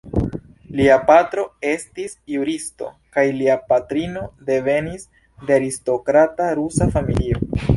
Lia patro estis juristo kaj lia patrino devenis de aristokrata rusa familio.